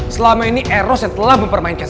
selama ini eros yang telah mempermainkan